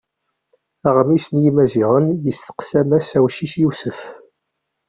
Aɣmis n Yimaziɣen yesteqsa mass Awcic Yusef.